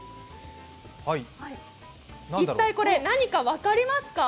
一体これ、何か分かりますか？